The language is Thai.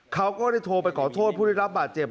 เขาก็ได้โทรไปขอโทษผู้ได้รับบาดเจ็บ